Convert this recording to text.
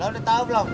lo udah tau belum